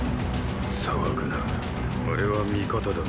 騒ぐなあれは味方だ。